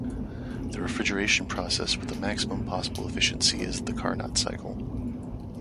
The refrigeration process with the maximum possible efficiency is the Carnot cycle.